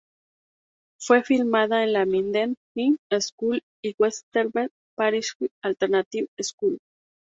Fue filmada en la Minden High School y la Webster Parish Alternative School.